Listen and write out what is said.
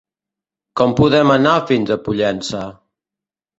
Com podem anar fins a Pollença?